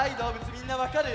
みんなわかる？